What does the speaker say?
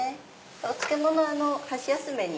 お漬物は箸休めに。